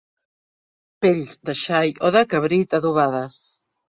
Pells de xai o de cabrit adobades.